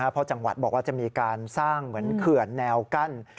เพราะจังหวัดบอกว่าจะมีการสร้างเหมือนเขื่อนแนวกั้น